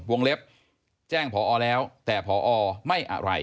วงเล็บแจ้งพอแล้วแต่พอไม่อะไร